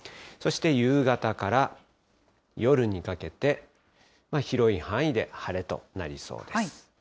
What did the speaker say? そして夕方から夜にかけて、広い範囲で晴れとなりそうです。